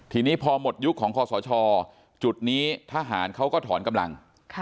ทีนี้พอหมดยุคของคอสชจุดนี้ทหารเขาก็ถอนกำลัง